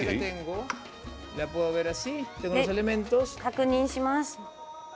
確認をします。